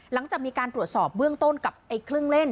หลังจากมีการตรวจสอบเบื้องต้นกับเครื่องเล่น